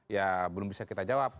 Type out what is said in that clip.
ya belum bisa kita jawab